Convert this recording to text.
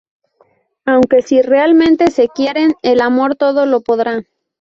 Aunque si realmente se quieren, el amor todo lo podrá.